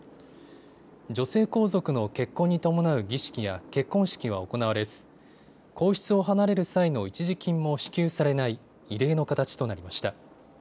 女性皇族の結婚に伴う儀式や結婚式は行われず皇室を離れる際の一時金も支給されない異例の形となりました。